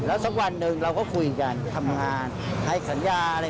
แล้วสักวันหนึ่งเราก็คุยกันทำงานให้สัญญาอะไร